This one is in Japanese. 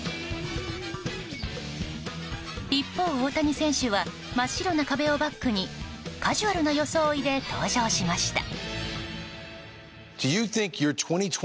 一方、大谷選手は真っ白な壁をバックにカジュアルな装いで登場しました。